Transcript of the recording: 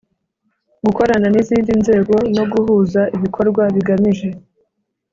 Gukorana n izindi nzego no guhuza ibikorwa bigamije